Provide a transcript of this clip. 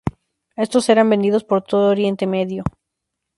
Estos eran vendidos por todo Oriente Medio.